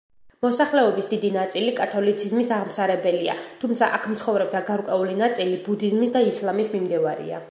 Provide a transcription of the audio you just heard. მოსახლეობის დიდი ნაწილი კათოლიციზმის აღმსარებელია, თუმცა აქ მცხოვრებთა გარკვეული ნაწილი ბუდიზმის და ისლამის მიმდევარია.